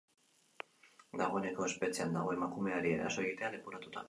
Dagoeneko espetxean dago emakumeari eraso egitea leporatuta.